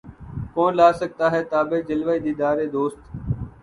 کون لا سکتا ہے تابِ جلوۂ دیدارِ دوست